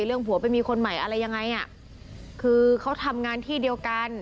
ผัวไปมีคนใหม่อะไรยังไงอ่ะคือเขาทำงานที่เดียวกัน